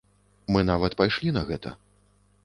Мы нават пайшлі на гэта.